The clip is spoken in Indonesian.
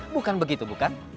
bukan begitu bukan